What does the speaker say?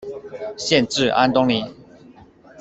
县治安东尼。